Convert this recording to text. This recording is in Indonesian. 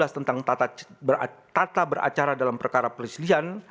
tentang tata beracara dalam perkara pelistilian